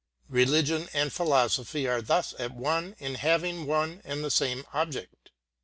Religion and philosophy are thus at one in having one and the same object.